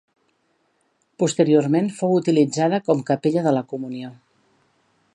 Posteriorment fou utilitzada com capella de la Comunió.